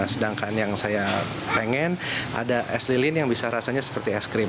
sedangkan yang saya pengen ada es lilin yang bisa rasanya seperti es krim